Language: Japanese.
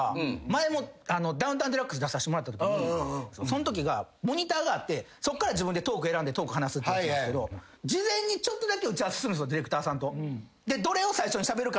前も『ダウンタウンＤＸ』出さしてもらったときにそんときがモニターがあってそっから自分でトーク選んでトーク話すってやつなんですけど事前にちょっとだけ打ち合わせするディレクターさんと。